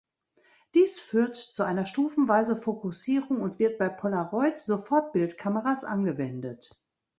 Dies führt zu einer stufenweisen Fokussierung und wird bei Polaroid-Sofortbildkameras angewendet.